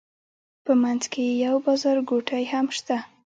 په منځ کې یې یو بازارګوټی هم شته.